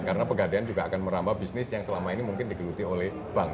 karena pegadean juga akan merambah bisnis yang selama ini mungkin dikeluti oleh bank